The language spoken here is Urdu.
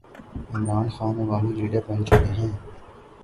عمران خان عوامی لیڈر بن چکے ہیں۔